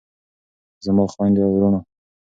زما خویندو او وروڼو.